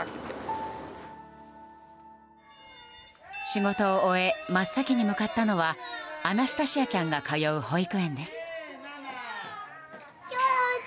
仕事を終え真っ先に向かったのはアナスタシアちゃんが通う保育園です。